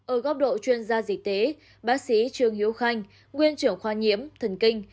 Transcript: ở góc độ chuyên gia dịch tế bác sĩ trương hiếu khanh nguyên trưởng khoa nhiễm thần kinh